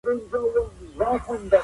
موږ د جګړي په اړه ډېره بده یادونه لرو.